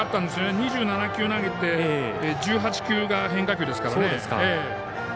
２７球投げて１８球が変化球ですからね。